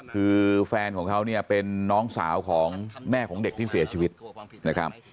คือแฟนของเขาเนี่ยเป็นน้องสาวของแม่ของเด็กที่เสียชีวิตนะครับ